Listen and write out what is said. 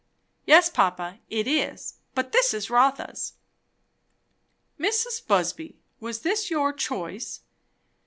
"Yes, papa, it is; but this is Rotha's." "Mrs. Busby, was this your choice?"